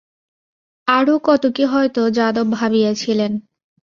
আরও কত কী হয়তো যাদব ভাবিয়াছিলেন।